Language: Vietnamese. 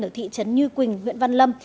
ở thị trấn như quỳnh huyện văn lâm